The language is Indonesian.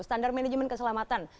standar manajemen keselamatan